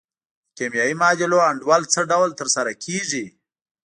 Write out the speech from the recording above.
د کیمیاوي معادلو انډول څه ډول تر سره کیږي؟